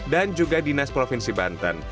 dan juga dinas provinsi banten